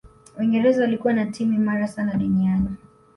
uingereza walikuwa na timu imara sana duniani